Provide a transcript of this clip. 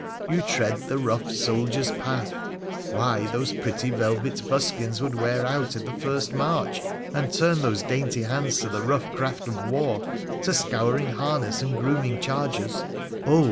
You tread the rough soldier's path ! Why, those pretty velvet PHRA THE PHCENICTAX 155 buskins would wear out i' the first march. And turn those dainty hands to the rough craft of war, to scouring harness and grooming chargers — oh